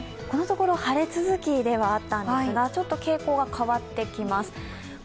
このところ晴れ続きではあったんですが、ちょっと傾向が変わってきます。